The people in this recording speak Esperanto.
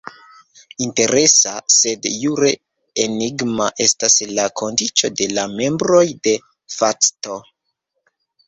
Interesa sed jure enigma estas la kondiĉo de la membroj "de facto".